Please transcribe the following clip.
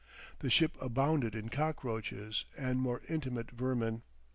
The ship abounded in cockroaches and more intimate vermin.